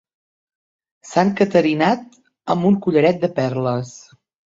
S'ha encaterinat amb un collaret de perles.